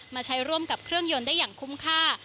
มาใช้ร่วมกับเครื่องยนต์ได้อย่างคุ้มค่า